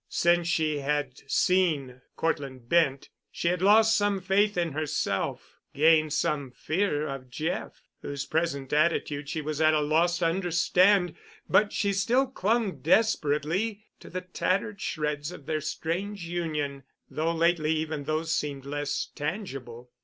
Since she had seen Cortland Bent, she had lost some faith in herself, gained some fear of Jeff, whose present attitude she was at a loss to understand, but she still clung desperately to the tattered shreds of their strange union, though lately even those seemed less tangible.